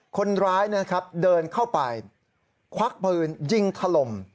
คนร้ายนะครับเดินเข้าไปควักปืนยิงถล่ม